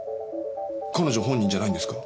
彼女本人じゃないんですか？